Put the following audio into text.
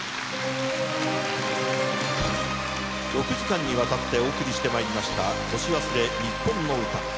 ６時間にわたってお送りしてまいりました「年忘れにっぽんの歌」。